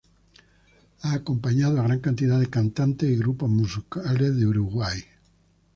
Ha acompañado a gran cantidad de cantantes y grupos musicales de Uruguay.